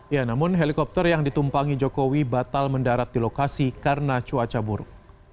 ya namun helikopter yang ditumpangi jokowi batal mendarat di lokasi karena cuaca buruk